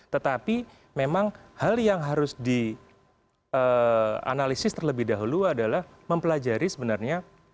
tetapi memang hal yang harus dianalisis terlebih dahulu adalah mempelajari sebenarnya